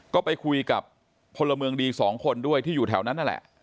ก็ไปคุยกับพลเมืองดีสองคนด้วยที่อยู่แถวนั้นนั่นแหละ